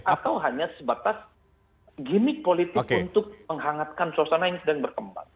atau hanya sebatas gimmick politik untuk menghangatkan suasana yang sedang berkembang